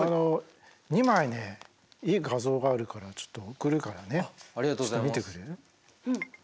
２枚ねいい画像があるからちょっと送るからねちょっと見てくれる？